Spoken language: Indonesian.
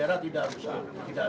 masih hal kure cantik ya ini